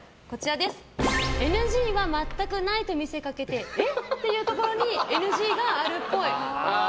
ＮＧは全くないと見せかけてえ？っていうところにＮＧがあるっぽい。